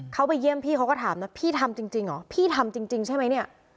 เขาไปเยี่ยมพี่เขาก็ถามนะพี่ทำจริงเหรอพี่ทำจริงใช่ไหมเนี่ย